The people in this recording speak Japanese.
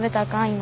今。